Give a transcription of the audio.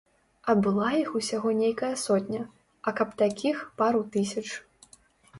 А была іх усяго нейкая сотня, а каб такіх пару тысяч.